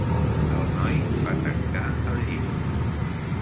El noi va tancar el llibre.